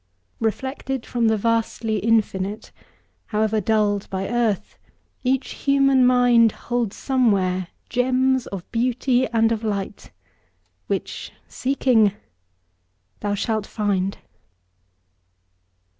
Reflected from the vastly Infinite, However dulled by earth, each human mind Holds somewhere gems of beauty and of light Which, seeking, thou shalt find.